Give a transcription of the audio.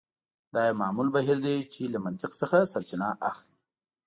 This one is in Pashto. دا یو معمول بهیر دی چې له منطق څخه سرچینه اخلي